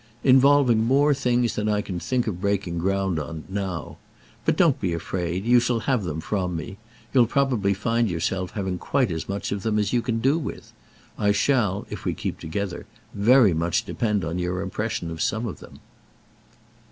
"Involving more things than I can think of breaking ground on now. But don't be afraid—you shall have them from me: you'll probably find yourself having quite as much of them as you can do with. I shall—if we keep together—very much depend on your impression of some of them."